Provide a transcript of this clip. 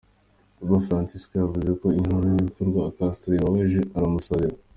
Papa Francisco yavuze ko intkuru y' urupfu rwa Castro ibabaje, aramusabira.